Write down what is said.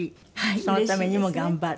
そのためにも頑張る。